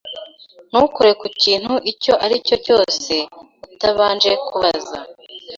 Ntukore ku kintu icyo ari cyo cyose utabanje kubaza.